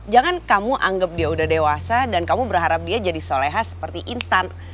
jangan kamu anggap dia udah dewasa dan kamu berharap dia jadi soleha seperti instan